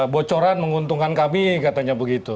bocoran menguntungkan kami katanya begitu